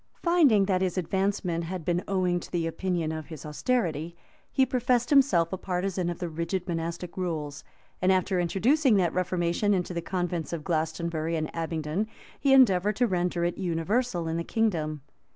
Finding that his advancement had been owing to the opinion of his austerity, he professed himself a partisan of the rigid monastic rules; and after introducing that reformation into the convents of Glastonbury and Abingdon, he endeavored to render it universal in the kingdom.